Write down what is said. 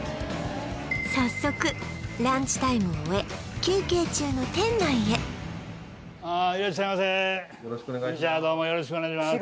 早速ランチタイムを終え休憩中の店内へよろしくお願いします